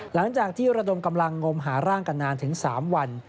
หลังจากที่ระดมกำลังงมหาร่างกันนานถึง๓วัน